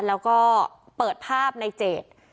แล้วก็เปิดภาพในเจด